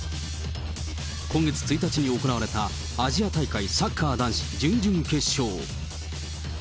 今月１日に行われた、アジア大会サッカー男子準々決勝。